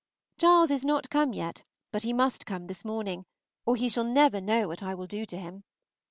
Charles is not come yet, but he must come this morning, or he shall never know what I will do to him.